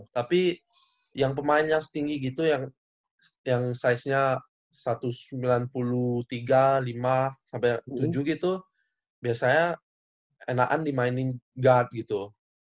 tapi yang pemain yang setinggi gitu yang size nya satu ratus sembilan puluh tiga lima sampai tujuh gitu biasanya enakan dimainin gud gitu